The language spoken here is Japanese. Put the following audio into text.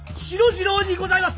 次郎にございます！